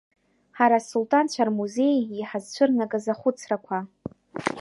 Ҳара асулҭанцәа рмузеи иҳазцәырнагаз ахәыцрақәа…